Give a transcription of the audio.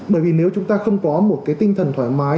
bởi vì nếu chúng ta không có một cái tinh thần thoải mái